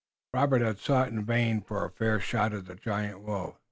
Robert had sought in vain for a fair shot at the giant wolf.